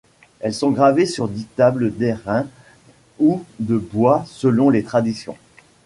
Elles sont gravées sur dix tables d'airain ou de bois, selon les traditions.